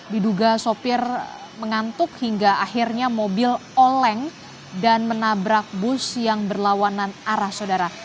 diduga sopir mengantuk hingga akhirnya mobil oleng dan menabrak bus yang berlawanan arah saudara